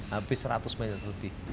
habis seratus meter putih